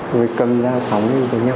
người cầm giao phóng đi đánh nhau